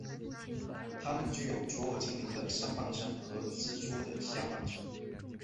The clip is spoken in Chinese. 他们具有卓尔精灵的上半身和蜘蛛的下半身。